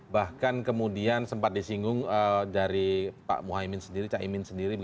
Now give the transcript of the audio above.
bahkan kemudian sempat disinggung dari pak muhaimin sendiri cak imin sendiri